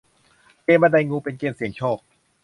เกมส์บันไดงูเป็นเกมส์เสี่ยงโชค